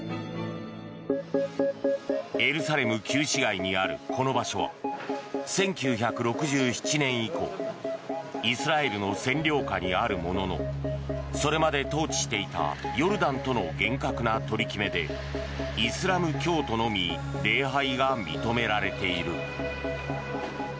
エルサレム旧市街にあるこの場所は１９６７年以降イスラエルの占領下にあるもののそれまで統治していたヨルダンとの厳格な取り決めでイスラム教徒のみ礼拝が認められている。